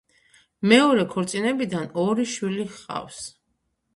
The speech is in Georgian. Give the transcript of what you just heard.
მეორე ქორწინებიდან ორი შვილი ჰყავს.